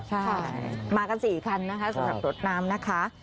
ใช่มากัน๔คันนะคะสำหรับรถน้ำนะคะ